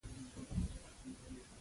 دې ډېر کارونه په اشر سره سرته رسول.